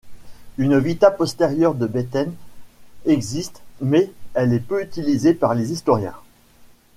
Une Vita postérieure de Baithéne existe mais elle est peu utilisée par les historiens.